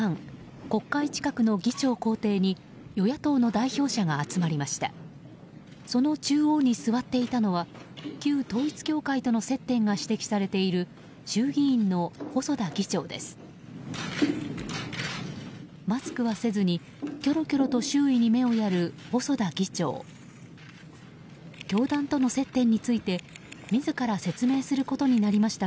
国会近くの議長公邸に与野党の代表者が集まりました。